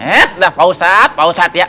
eh udah pak ustadz pak ustadz ya